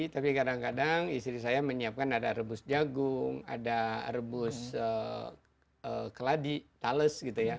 tapi kadang kadang istri saya menyiapkan ada rebus jagung ada rebus keladi tales gitu ya